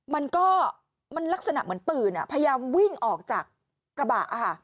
มันก็มันลักษณะเหมือนตื่นพยายามวิ่งออกจากกระบะ